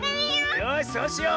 よしそうしよう！